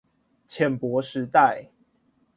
淺薄時代